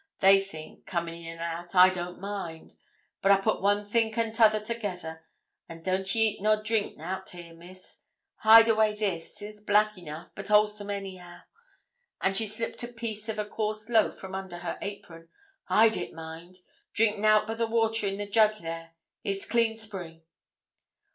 They think, comin' in an' out, I don't mind; but I put one think an' t'other together. An' don't ye eat nor drink nout here, Miss; hide away this; it's black enough, but wholesome anyhow!' and she slipt a piece of a coarse loaf from under her apron. 'Hide it mind. Drink nout but the water in the jug there it's clean spring.'